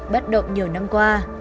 bắt động nhiều năm qua